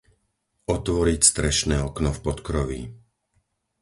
Otvoriť strešné okno v podkroví.